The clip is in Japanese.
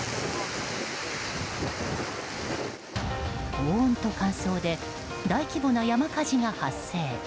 高温と乾燥で大規模な山火事が発生。